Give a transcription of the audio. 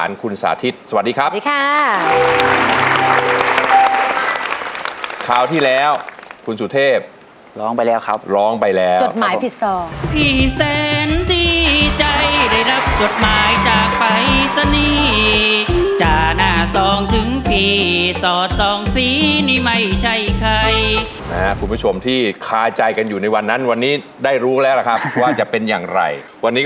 ยินดีต้อนรับคุณแจ๊บ